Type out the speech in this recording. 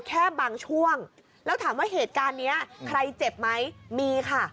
แค่บางช่วงแล้วถามว่าเหตุการณ์นี้ใครเจ็บไหมมีค่ะ